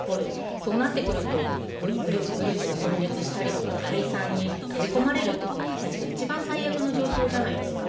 そうなってくると、グループが分裂したりとか、解散に追い込まれるって形が一番最悪の状況じゃないですか。